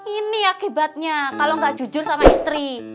ini akibatnya kalo gak jujur sama istri